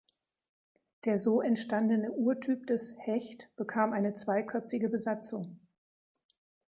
Der so entstandene Urtyp des "Hecht" bekam eine zweiköpfige Besatzung.